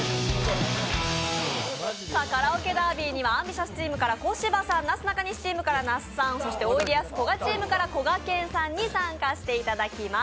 ＡｍＢｉｔｉｏｕｓチームから小柴さん、なすなかにしチームから那須さん、そして、おいでやすこがチームからこがけんさんに参加していただきます。